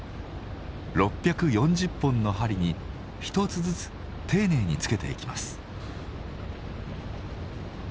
６４０本の針に１つずつ丁寧につけていきます。